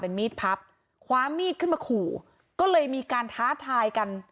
มีดพับคว้ามีดขึ้นมาขู่ก็เลยมีการท้าทายกัน